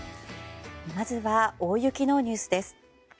まずは大雪のニュースです。